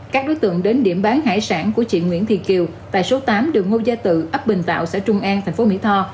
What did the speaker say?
các đối tượng đến điểm bán hải sản của chị nguyễn thị kiều tại số tám đường ngô gia tự ấp bình tạo xã trung an thành phố mỹ tho